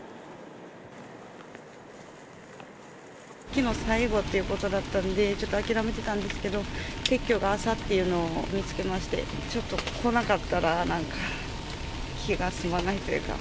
きのう、最後ということだったんで、ちょっと諦めてたんですけど、撤去が朝っていうのを見つけまして、ちょっと来なかったら、なんか、気が済まないというか。